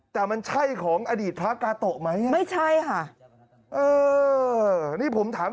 แต่มันใช่ของอดีตพระกาโตะไหมไม่ใช่ค่ะเออนี่ผมถาม